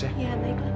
ya baiklah pak